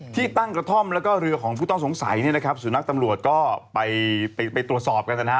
ที่ตั้งกระท่อมแล้วก็เรือของผู้ต้องสงสัยเนี่ยนะครับสุนัขตำรวจก็ไปไปตรวจสอบกันนะฮะ